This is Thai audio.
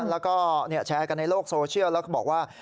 แล้วก็แชร์กันในโลกโซเชียลแล้วก็บอกว่า